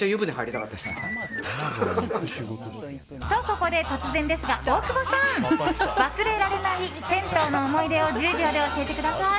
と、ここで突然ですが大久保さん。忘れられない銭湯の思い出を１０秒で教えてください。